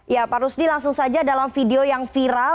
ya pak rusdi langsung saja dalam video yang viral